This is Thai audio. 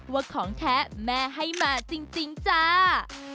ว่าของแท้แม่ให้มาจริงจ้า